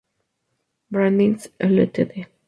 Brandeis Ltd.